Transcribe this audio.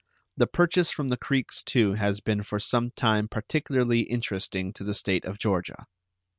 The purchase from the Creeks, too, has been for some time particularly interesting to the State of Georgia.